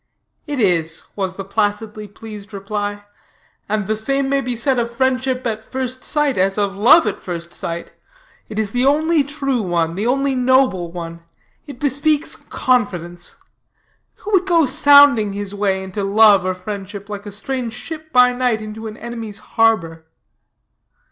"It is," was the placidly pleased reply: "and the same may be said of friendship at first sight as of love at first sight: it is the only true one, the only noble one. It bespeaks confidence. Who would go sounding his way into love or friendship, like a strange ship by night, into an enemy's harbor?"